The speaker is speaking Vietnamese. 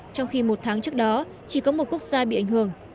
trong khi một tháng trước đó chỉ có một quốc gia bị ảnh hưởng